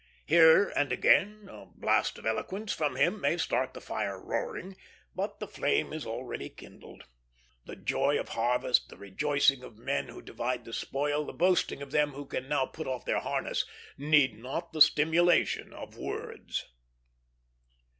Here and again a blast of eloquence from him may start the fire roaring, but the flame is already kindled. The joy of harvest, the rejoicing of men who divide the spoil, the boasting of them who can now put off their harness, need not the stimulation of words.